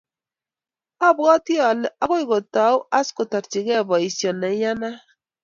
Abwati ale akoi kotau as kotarchikey boisyo neiyanat.